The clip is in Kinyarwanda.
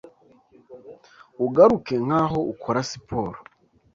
ugaruka nkaho ukora siporo